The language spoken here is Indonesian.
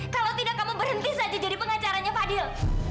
kalau tidak kamu berhenti saja jadi pengacaranya fadil